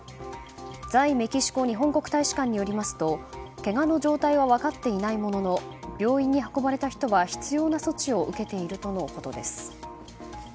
在メキシコ日本国大使館によりますとけがの状態は分かっていないものの病院に運ばれた人は必要な措置を受けているということです。